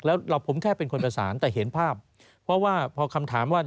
แล้วเราผมแค่เป็นคนประสานแต่เห็นภาพเพราะว่าพอคำถามว่า